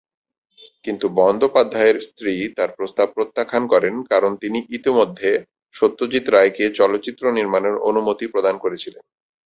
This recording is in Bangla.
কিন্তু বন্দ্যোপাধ্যায়ের স্ত্রী তার প্রস্তাব প্রত্যাখ্যান করেন কারণ তিনি ইতোমধ্যে সত্যজিৎ রায়কে চলচ্চিত্র নির্মাণের অনুমতি প্রদান করেছিলেন।